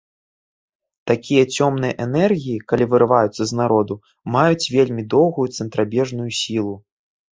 Такія цёмныя энергіі, калі вырываюцца з народу, маюць вельмі доўгую цэнтрабежную сілу.